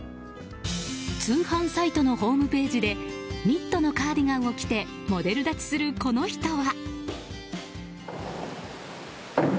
通販サイトのホームページでニットのカーディガンを着てモデル立ちする、この人は。